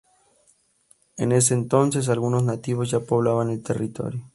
En ese entonces, algunos nativos ya poblaban el territorio.